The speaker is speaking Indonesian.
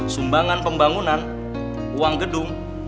sumbangan pembangunan uang gedung